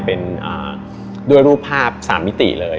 เป็นด้วยรูปภาพ๓มิติเลย